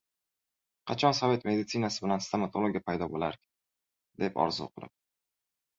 qachon sovet meditsinasi bilan stomatologiya paydo bo‘larkin?» deb orzu qilib